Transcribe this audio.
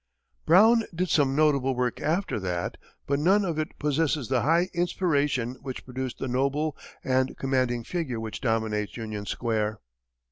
Brown did some notable work after that, but none of it possesses the high inspiration which produced the noble and commanding figure which dominates Union Square.